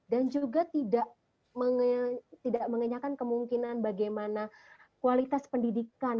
dan juga tidak mengenyakkan kemungkinan bagaimana kualitas pendidikan